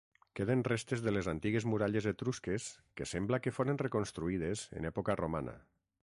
Queden restes de les antigues muralles etrusques que sembla que foren reconstruïdes en època romana.